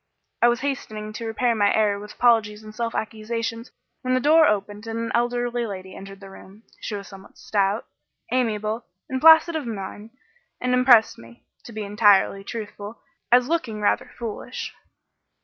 I was hastening to repair my error with apologies and self accusations, when the door opened and an elderly lady entered the room. She was somewhat stout, amiable and placid of mien, and impressed me (to be entirely truthful) as looking rather foolish.